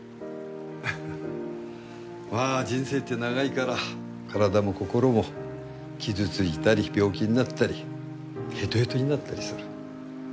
まあ人生って長いから体も心も傷ついたり病気になったりヘトヘトになったりする。